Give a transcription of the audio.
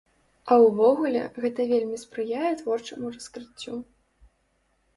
А ўвогуле, гэта вельмі спрыяе творчаму раскрыццю.